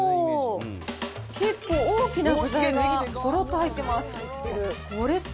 結構大きな具材がごろっと入ってます。